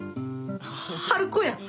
春子や！